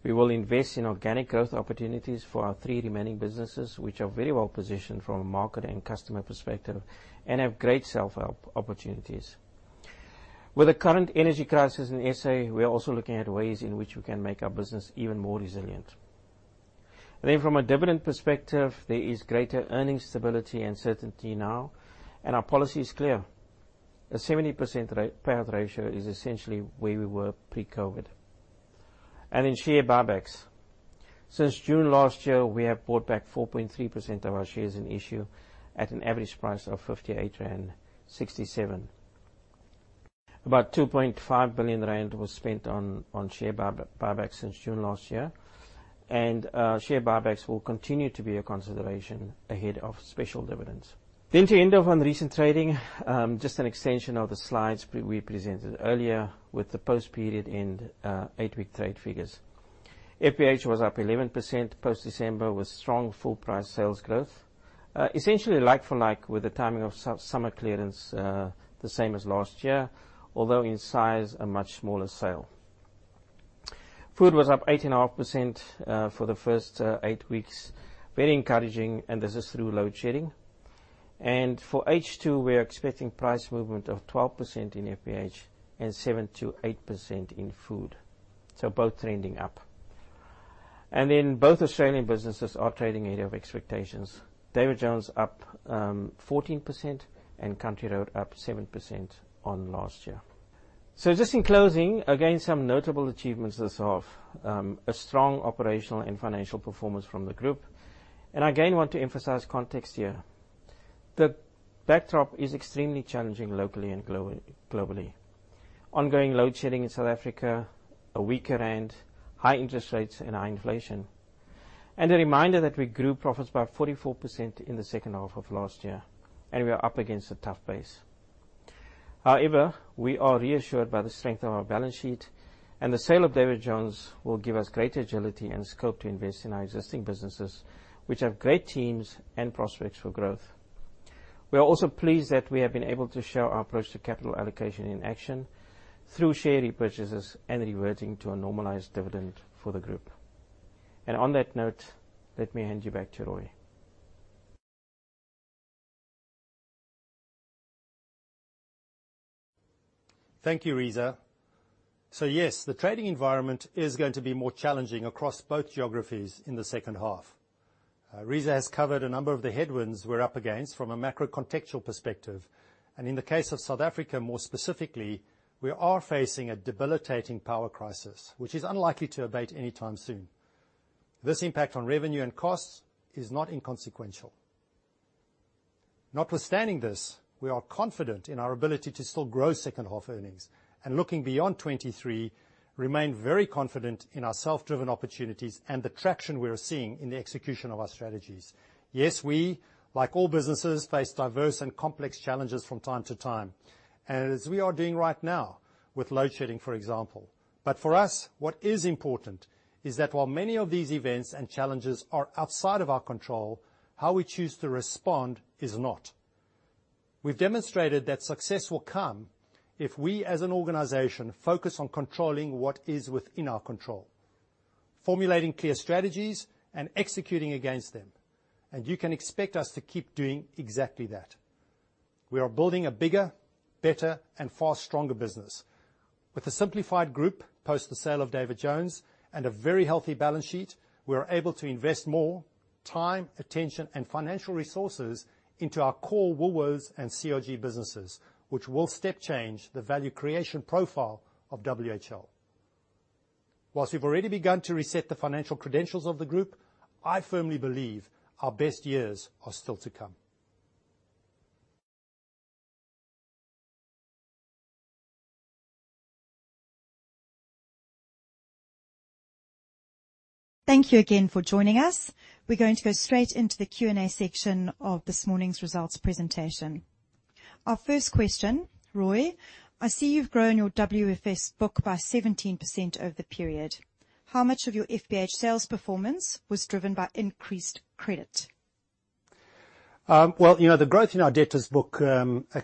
We will invest in organic growth opportunities for our three remaining businesses, which are very well positioned from a market and customer perspective and have great self-help opportunities. With the current energy crisis in SA, we are also looking at ways in which we can make our business even more resilient. From a dividend perspective, there is greater earning stability and certainty now, and our policy is clear. A 70% payout ratio is essentially where we were pre-COVID. In share buybacks. Since June last year, we have bought back 4.3% of our shares in issue at an average price of 58.67 rand. About 2.5 billion rand was spent on share buybacks since June last year. Share buybacks will continue to be a consideration ahead of special dividends. To end off on recent trading, just an extension of the slides we presented earlier with the post-period and eight-week trade figures. FBH was up 11% post-December with strong full price sales growth. Essentially like for like with the timing of summer clearance, the same as last year, although in size, a much smaller sale. Food was up 8.5% for the first eight weeks. Very encouraging, this is through load shedding. For H2, we are expecting price movement of 12% in FBH and 7%-8% in food. Both trending up. Both Australian businesses are trading ahead of expectations. David Jones up 14% and Country Road up 7% on last year. Just in closing, again, some notable achievements this half. A strong operational and financial performance from the group. Again, want to emphasize context here. The backdrop is extremely challenging locally and globally. Ongoing load shedding in South Africa, a weaker rand, high interest rates and high inflation. A reminder that we grew profits by 44% in the second half of last year, and we are up against a tough base. However, we are reassured by the strength of our balance sheet, and the sale of David Jones will give us great agility and scope to invest in our existing businesses, which have great teams and prospects for growth. We are also pleased that we have been able to show our approach to capital allocation in action through share repurchases and reverting to a normalized dividend for the group. On that note, let me hand you back to Roy. Thank you, Reeza. Yes, the trading environment is going to be more challenging across both geographies in the second half. Reeza has covered a number of the headwinds we're up against from a macro contextual perspective, and in the case of South Africa, more specifically, we are facing a debilitating power crisis, which is unlikely to abate anytime soon. This impact on revenue and costs is not inconsequential. Notwithstanding this, we are confident in our ability to still grow second half earnings, and looking beyond 2023, remain very confident in our self-driven opportunities and the traction we are seeing in the execution of our strategies. Yes, we, like all businesses, face diverse and complex challenges from time to time, and as we are doing right now with load shedding, for example. For us, what is important is that while many of these events and challenges are outside of our control, how we choose to respond is not. We've demonstrated that success will come if we, as an organization, focus on controlling what is within our control, formulating clear strategies and executing against them. You can expect us to keep doing exactly that. We are building a bigger, better and far stronger business. With a simplified group post the sale of David Jones and a very healthy balance sheet, we are able to invest more time, attention and financial resources into our core Woolworths and CRG businesses, which will step change the value creation profile of WHL. Whilst we've already begun to reset the financial credentials of the group, I firmly believe our best years are still to come. Thank you again for joining us. We're going to go straight into the Q&A section of this morning's results presentation. Our first question, Roy, I see you've grown your WFS book by 17% over the period. How much of your FBH sales performance was driven by increased credit? Well, you know, the growth in our debtors book,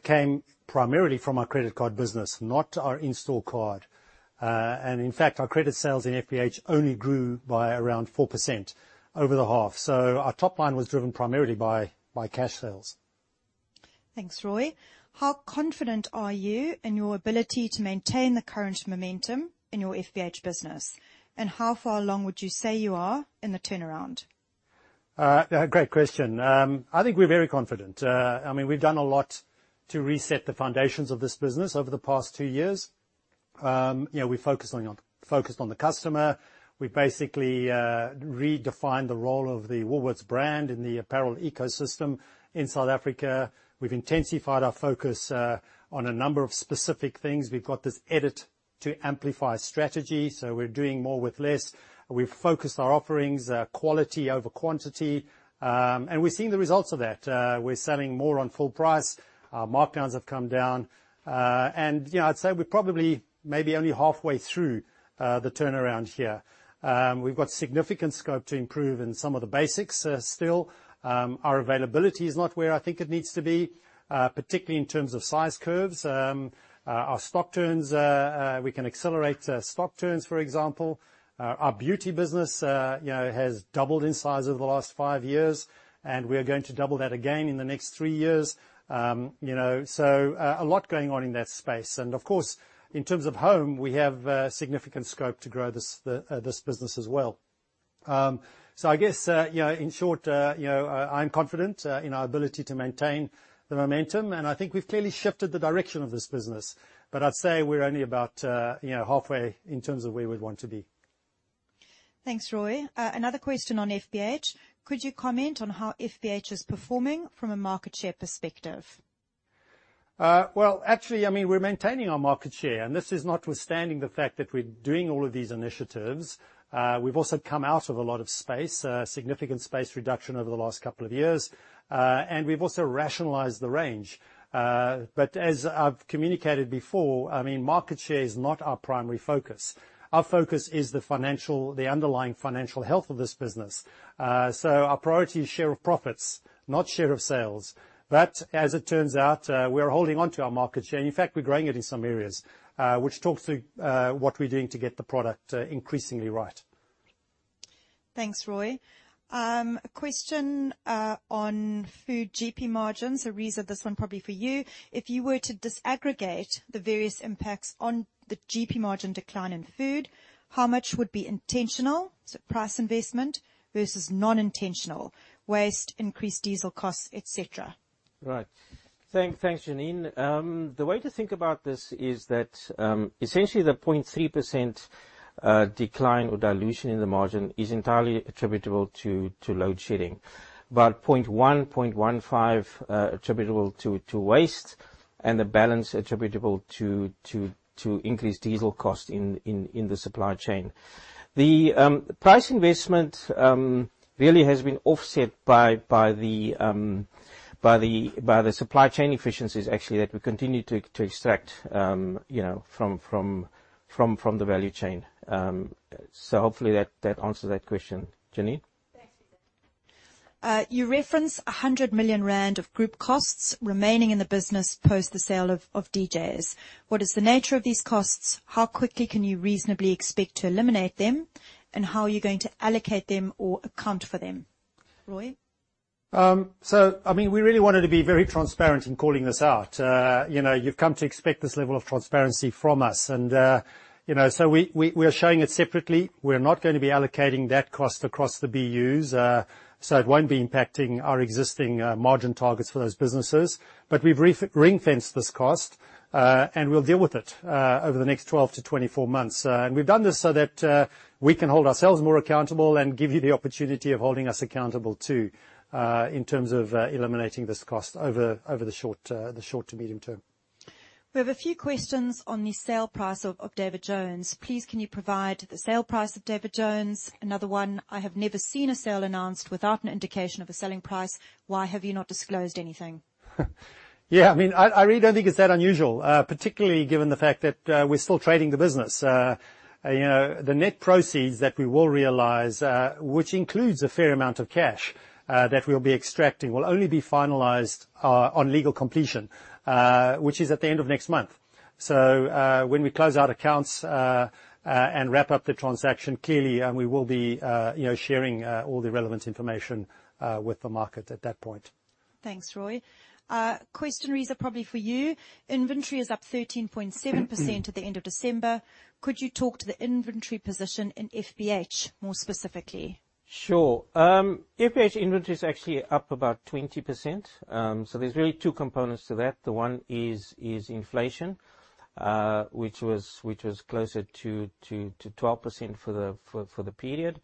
came primarily from our credit card business, not our in-store card. In fact, our credit sales in FBH only grew by around 4% over the half. Our top line was driven primarily by cash sales. Thanks, Roy. How confident are you in your ability to maintain the current momentum in your FBH business? How far along would you say you are in the turnaround? Great question. I think we're very confident. I mean, we've done a lot to reset the foundations of this business over the past two years. You know, we're focused on the customer. We basically redefined the role of the Woolworths brand in the apparel ecosystem in South Africa. We've intensified our focus on a number of specific things. We've got this Edit to Amplify strategy, so we're doing more with less. We've focused our offerings, quality over quantity, and we're seeing the results of that. We're selling more on full price. Our markdowns have come down. You know, I'd say we're probably maybe only halfway through the turnaround here. We've got significant scope to improve in some of the basics still. Our availability is not where I think it needs to be, particularly in terms of size curves. Our stock turns, we can accelerate stock turns, for example. Our beauty business, you know, has doubled in size over the last five years, and we are going to double that again in the next three years. You know, so, a lot going on in that space. Of course, in terms of home, we have significant scope to grow this business as well. I guess, you know, in short, you know, I'm confident in our ability to maintain the momentum, and I think we've clearly shifted the direction of this business. I'd say we're only about, you know, halfway in terms of where we'd want to be. Thanks, Roy. Another question on FBH. Could you comment on how FBH is performing from a market share perspective? Well, actually, I mean, we're maintaining our market share, and this is notwithstanding the fact that we're doing all of these initiatives. We've also come out of a lot of space, significant space reduction over the last couple of years, and we've also rationalized the range. As I've communicated before, I mean, market share is not our primary focus. Our focus is the financial, the underlying financial health of this business. Our priority is share of profits, not share of sales. As it turns out, we are holding on to our market share, and in fact, we're growing it in some areas, which talks to, what we're doing to get the product increasingly right. Thanks, Roy. A question on food GP margins. Reeza, this one probably for you. If you were to disaggregate the various impacts on the GP margin decline in food, how much would be intentional, so price investment, versus non-intentional, waste, increased diesel costs, et cetera? Right. Thanks, Jeanine. The way to think about this is that essentially the 0.3% decline or dilution in the margin is entirely attributable to load shedding. About 0.1, 0.15 attributable to waste and the balance attributable to increase diesel cost in the supply chain. The price investment really has been offset by the supply chain efficiencies actually that we continue to extract you know, from the value chain. So hopefully that answers that question, Jeanine? Thanks, Reeza. You referenced 100 million rand of group costs remaining in the business post the sale of DJs. What is the nature of these costs? How quickly can you reasonably expect to eliminate them? How are you going to allocate them or account for them? Roy? I mean, we really wanted to be very transparent in calling this out. you know, you've come to expect this level of transparency from us, and, you know, so we're showing it separately. We're not gonna be allocating that cost across the BUs, so it won't be impacting our existing, margin targets for those businesses. We've ring-fenced this cost, and we'll deal with it, over the next 12 to 24 months. We've done this so that, we can hold ourselves more accountable and give you the opportunity of holding us accountable too, in terms of, eliminating this cost over the short, the short to medium term. We have a few questions on the sale price of David Jones. Please, can you provide the sale price of David Jones? Another one, I have never seen a sale announced without an indication of a selling price. Why have you not disclosed anything? Yeah. I mean, I really don't think it's that unusual, particularly given the fact that we're still trading the business. You know, the net proceeds that we will realize, which includes a fair amount of cash, that we'll be extracting, will only be finalized on legal completion, which is at the end of next month. When we close out accounts and wrap up the transaction, clearly, we will be, you know, sharing all the relevant information with the market at that point. Thanks, Roy. Question, Reeza, probably for you. Inventory is up 13.7% at the end of December. Could you talk to the inventory position in FBH more specifically? Sure. FBH inventory is actually up about 20%. There's really two components to that. The one is inflation, which was closer to 12% for the period.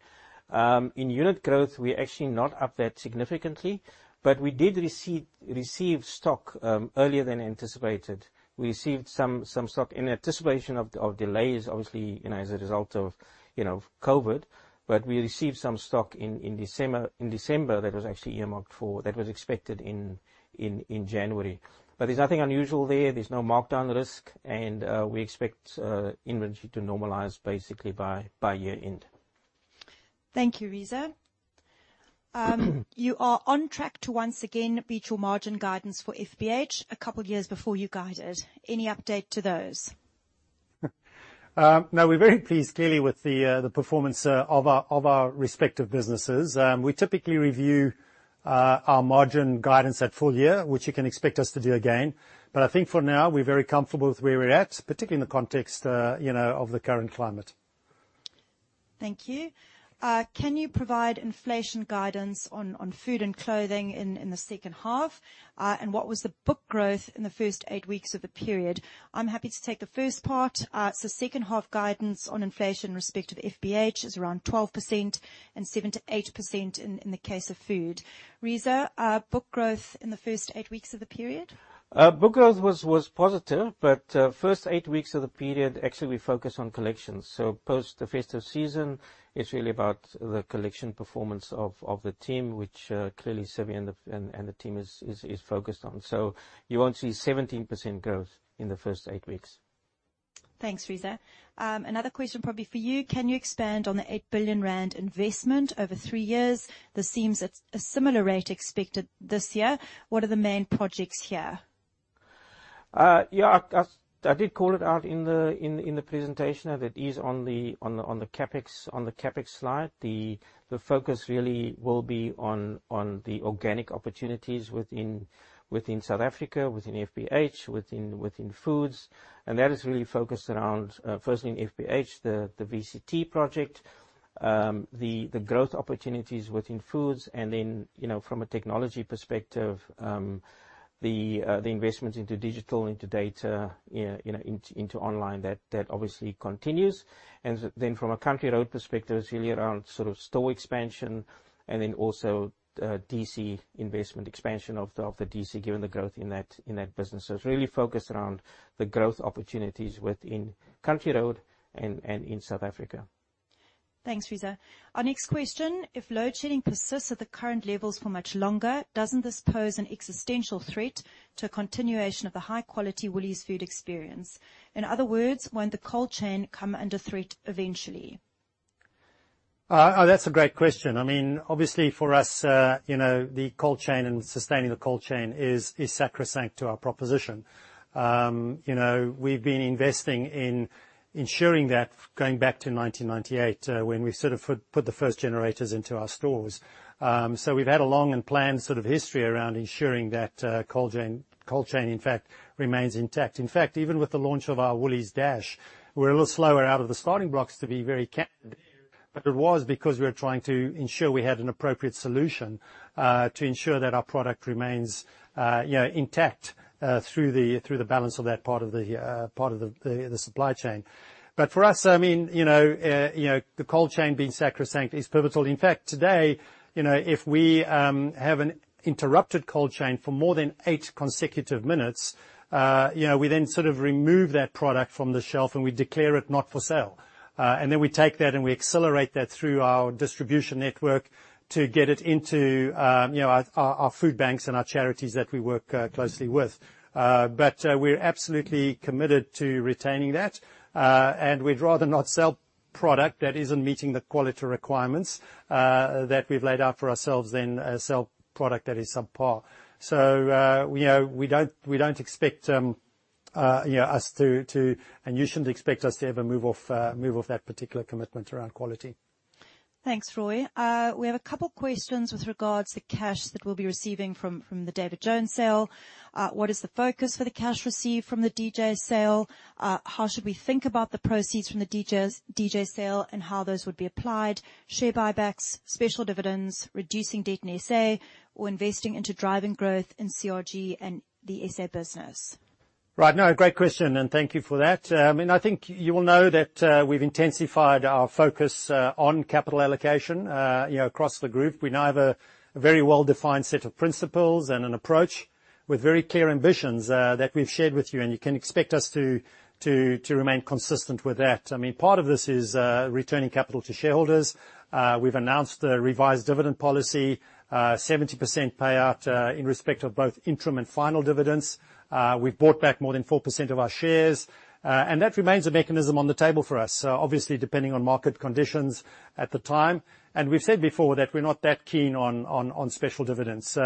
In unit growth, we're actually not up that significantly, but we did receive stock earlier than anticipated. We received some stock in anticipation of delays, obviously, you know, as a result of, you know, COVID, but we received some stock in December that was actually earmarked for that was expected in January. There's nothing unusual there. There's no markdown risk, and we expect inventory to normalize basically by year end. Thank you, Reeza. You are on track to once again beat your margin guidance for FBH a couple years before you guided. Any update to those? No, we're very pleased clearly with the performance of our respective businesses. We typically review our margin guidance at full year, which you can expect us to do again. I think for now, we're very comfortable with where we're at, particularly in the context of the current climate. Thank you. Can you provide inflation guidance on food and clothing in the second half? What was the book growth in the first eight weeks of the period? I'm happy to take the first part. Second half guidance on inflation in respect of FBH is around 12% and 7%-8% in the case of food. Reeza, book growth in the first eight weeks of the period? Book growth was positive, first eight weeks of the period, actually we focused on collections. Post the festive season, it's really about the collection performance of the team, which clearly Savvy and the team is focused on. You won't see 17% growth in the first eight weeks. Thanks, Reeza. Another question probably for you. Can you expand on the 8 billion rand investment over three years? This seems it's a similar rate expected this year. What are the main projects here? Yeah. I did call it out in the presentation. That is on the CapEx slide. The focus really will be on the organic opportunities within South Africa, within FBH, within Foods. That is really focused around, firstly in FBH, the VCT project, the growth opportunities within Foods, and then, you know, from a technology perspective, the investments into digital, into data, you know, into online. That obviously continues. Then from a Country Road perspective, it's really around store expansion and then also DC investment expansion of the DC, given the growth in that business. It's really focused around the growth opportunities within Country Road and in South Africa. Thanks, Reeza. Our next question, if load shedding persists at the current levels for much longer, doesn't this pose an existential threat to a continuation of the high quality Woolies food experience? In other words, won't the cold chain come under threat eventually? That's a great question. I mean, obviously for us, you know, the cold chain and sustaining the cold chain is sacrosanct to our proposition. You know, we've been investing in ensuring that going back to 1998, when we sort of put the first generators into our stores. We've had a long and planned sort of history around ensuring that cold chain, in fact, remains intact. In fact, even with the launch of our Woolies Dash, we're a little slower out of the starting blocks, to be very candid. It was because we were trying to ensure we had an appropriate solution to ensure that our product remains, you know, intact through the balance of that part of the supply chain. For us, I mean, you know, the cold chain being sacrosanct is pivotal. In fact, today, you know, if we have an interrupted cold chain for more than eight consecutive minutes, you know, we then sort of remove that product from the shelf, and we declare it not for sale. Then we take that, and we accelerate that through our distribution network to get it into, you know, our food banks and our charities that we work closely with. But we're absolutely committed to retaining that, and we'd rather not sell product that isn't meeting the quality requirements that we've laid out for ourselves than sell product that is subpar. You know, we don't expect, you know, us to... You shouldn't expect us to ever move off that particular commitment around quality. Thanks, Roy. We have a couple questions with regards to cash that we'll be receiving from the David Jones sale. What is the focus for the cash received from the DJ sale? How should we think about the proceeds from the DJ sale and how those would be applied? Share buybacks, special dividends, reducing debt in SA or investing into driving growth in CRG and the SA business? Right. No, great question, and thank you for that. I mean, I think you will know that we've intensified our focus on capital allocation, you know, across the group. We now have a very well-defined set of principles and an approach with very clear ambitions that we've shared with you, and you can expect us to remain consistent with that. I mean, part of this is returning capital to shareholders. We've announced a revised dividend policy, 70% payout in respect of both interim and final dividends. We've bought back more than 4% of our shares, and that remains a mechanism on the table for us, obviously, depending on market conditions at the time. We've said before that we're not that keen on special dividends.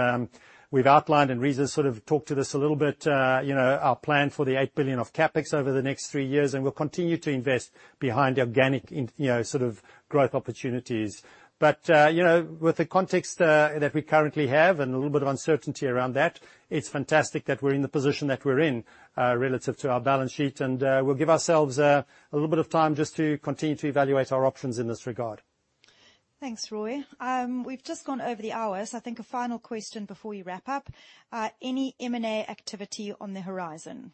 We've outlined, and Reeza sort of talked to this a little bit, our plan for the 8 billion of CapEx over the next three years, and we'll continue to invest behind organic in sort of growth opportunities. With the context that we currently have and a little bit of uncertainty around that, it's fantastic that we're in the position that we're in relative to our balance sheet. We'll give ourselves a little bit of time just to continue to evaluate our options in this regard. Thanks, Roy. We've just gone over the hour, so I think a final question before we wrap up. Any M&A activity on the horizon?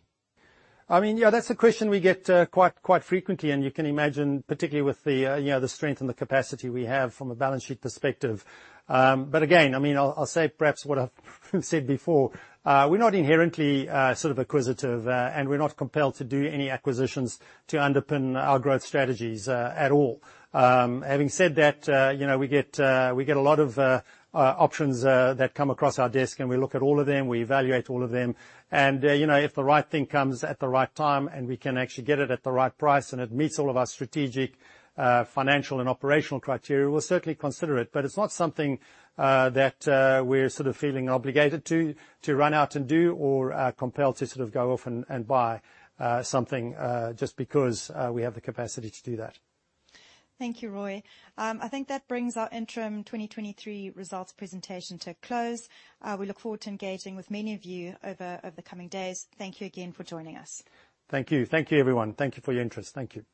I mean, yeah, that's a question we get, quite frequently, and you can imagine, particularly with the, you know, the strength and the capacity we have from a balance sheet perspective. Again, I mean, I'll say perhaps what I've said before. We're not inherently, sort of acquisitive, and we're not compelled to do any acquisitions to underpin our growth strategies, at all. Having said that, you know, we get, we get a lot of, options, that come across our desk, and we look at all of them, we evaluate all of them. You know, if the right thing comes at the right time, and we can actually get it at the right price, and it meets all of our strategic, financial and operational criteria, we'll certainly consider it. It's not something that we're sort of feeling obligated to run out and do or are compelled to sort of go off and buy something just because we have the capacity to do that. Thank you, Roy. I think that brings our interim 2023 results presentation to a close. We look forward to engaging with many of you over the coming days. Thank you again for joining us. Thank you. Thank you, everyone. Thank you for your interest. Thank you.